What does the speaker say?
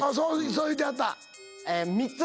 そう言うてはった。